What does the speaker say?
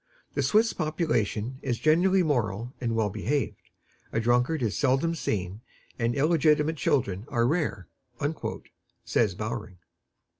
"The Swiss population is generally moral and well behaved. A drunkard is seldom seen, and illegitimate children are rare," says Bowring.